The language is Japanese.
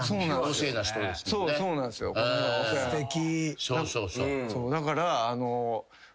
すてき。